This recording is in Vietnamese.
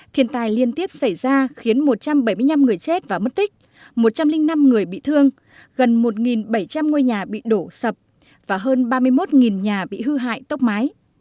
thiên tai liên tiếp xảy ra khiến một trăm bảy mươi năm người chết và mất tích một trăm linh năm người bị thương gần một bảy trăm linh ngôi nhà bị đổ sập và hơn ba mươi một nhà bị hư hại tốc mái